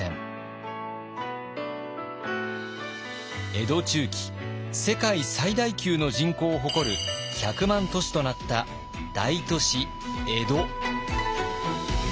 江戸中期世界最大級の人口を誇る１００万都市となった大都市江戸。